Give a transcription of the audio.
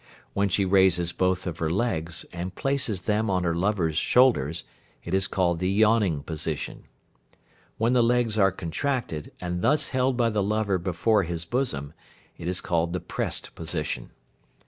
When she raises both of her legs, and places them on her lover's shoulders, it is called the "yawning position." When the legs are contracted, and thus held by the lover before his bosom, it is called the "pressed position."